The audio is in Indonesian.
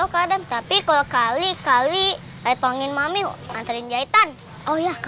cepetan seka yang bersih ya